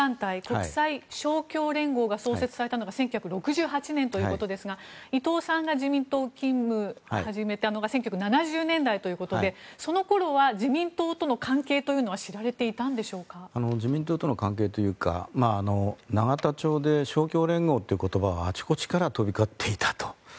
国際勝共連合が創設されたのが１９６８年ということですが伊藤さんが自民党勤務を始めたのが１９７０年代ということでその頃は自民党との関係というのは自民党との関係というか永田町で勝共連合という言葉はあちこちで飛び交っていたと。